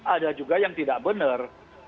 ada juga yang tidak benar